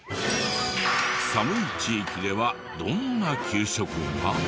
寒い地域ではどんな給食が？